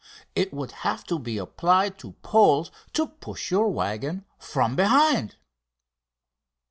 It would have to be applied to poles to push your waggon from behind!"